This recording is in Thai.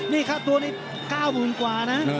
นี่ค่าตัวนี้๙๐๐๐กว่านะ